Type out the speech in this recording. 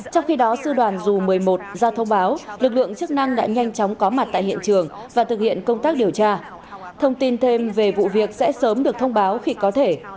trong khi đó sư đoàn dù một mươi một ra thông báo lực lượng chức năng đã nhanh chóng có mặt tại hiện trường và thực hiện công tác điều tra thông tin thêm về vụ việc sẽ sớm được thông báo khi có thể